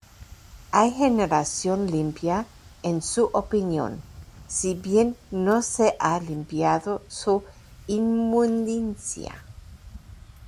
Hay generación limpia en su opinión, Si bien no se ha limpiado su inmundicia.